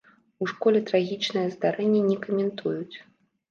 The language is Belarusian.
У школе трагічнае здарэнне не каментуюць.